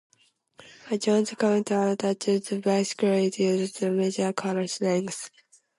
A Jones Counter attached to a bicycle is used to measure course length.